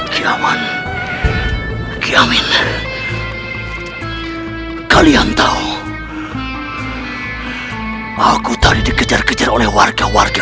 kiaman kiamin kalian tahu aku tadi dikejar kejar oleh warga warga